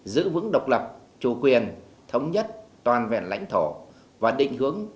giữ vững độc lập chủ quyền thống nhất toàn vẹn lãnh thổ và định hướng